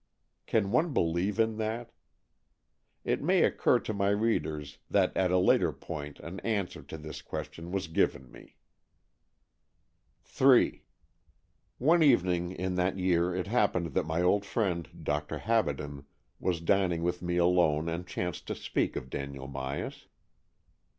Can one believe in that? It may occur to my readers that at a later point an answer to this question was given me. AN EXCHANGE OF SOULS 225 III One evening in that year it happened that my old friend, Dr. Habaden, was dining with me alone and chanced to speak of Daniel Myas.